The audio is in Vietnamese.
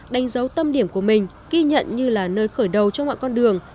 đánh dấu tâm điểm của mình ghi nhận như là nơi khởi đầu cho mọi con đường